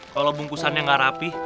kalau bungkusannya nggak rapi